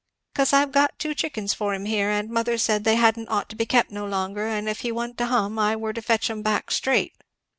"Cause I've got ten chickens for him here, and mother said they hadn't ought to be kept no longer, and if he wa'n't to hum I were to fetch 'em back, straight."